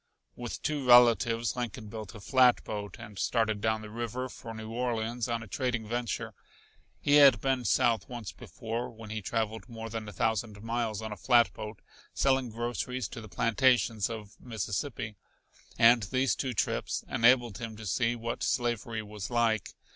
With two relatives Lincoln built a flatboat and started down the river for New Orleans on a trading venture. He had been south once before, when he traveled more than a thousand miles on a flatboat selling groceries to the plantations of Mississippi, and these two trips enabled him to see what slavery was like.